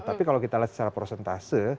tapi kalau kita lihat secara prosentase